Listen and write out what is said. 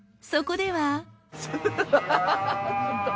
そこでは。